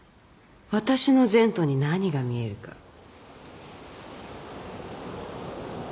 私の前途に何が見えるか。